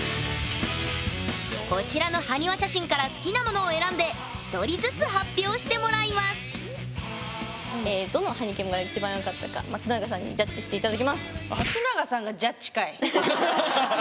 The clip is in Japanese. こちらの埴輪写真から好きなものを選んで１人ずつ発表してもらいますどのはにキモが一番よかったか松永さんにジャッジして頂きます。